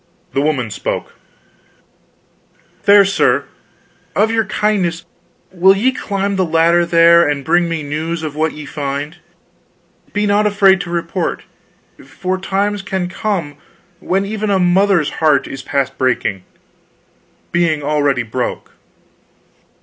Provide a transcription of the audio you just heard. The woman spoke: "Fair sir, of your kindness will ye climb the ladder there, and bring me news of what ye find? Be not afraid to report, for times can come when even a mother's heart is past breaking being already broke."